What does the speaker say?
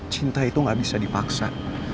cinta itu gak bisa dipaksa